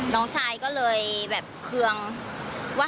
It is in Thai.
น้องชายก็เลยเภงว่า